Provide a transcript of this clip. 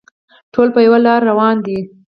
ټول په یوه لاره روان دي.